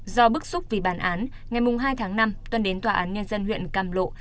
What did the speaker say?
do bức xúc vì bàn án ngày hai tháng năm tuân đến toán nhân dân huyện càm lộ